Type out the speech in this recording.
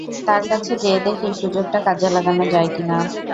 তার কাছে যেয়ে দেখি, সুযোগটা কাজে লাগানো যায় কি না।